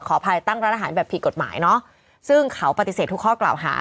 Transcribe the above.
อภัยตั้งร้านอาหารแบบผิดกฎหมายเนอะซึ่งเขาปฏิเสธทุกข้อกล่าวหา